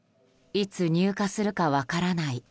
いつ入荷するか分からない